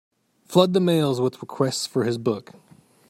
Flood the mails with requests for this book.